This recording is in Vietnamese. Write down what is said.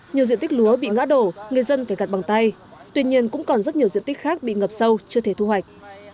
nhiều diện tích lúa bị ngã đổ người dân phải gạt bằng tay tuy nhiên cũng còn rất nhiều diện tích khác bị ngập sâu chưa thể thu hoạch